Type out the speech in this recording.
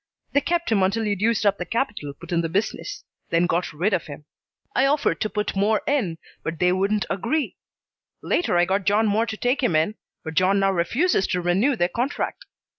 They kept him until he'd used up the capital put in the business, then got rid of him. I offered to put more in, but they wouldn't agree. Later, I got John Moore to take him in, but John now refuses to renew their contract.